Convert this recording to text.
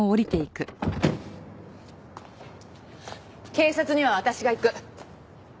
警察には私が行く。